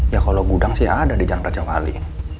ya kalau gudang sih ada di jalan raja wali